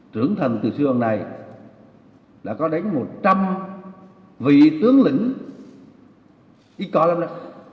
trưởng thành từ xưa hôm nay đã có đánh một trăm linh vị tướng lĩnh ít coi lắm đó